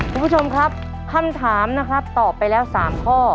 คุณผู้ชมครับคำถามต่อไปแล้ว๓ข้อ